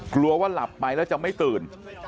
กลัวว่าหลับไปแล้วจะไม่ตื่น